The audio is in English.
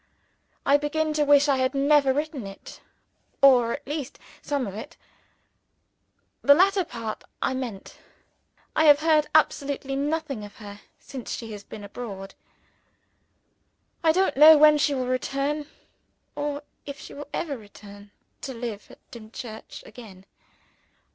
(I begin to wish I had never written it, or at least some of it the latter part I mean.) I have heard absolutely nothing of her since she has been abroad. I don't know when she will return or if she will ever return, to live at Dimchurch again.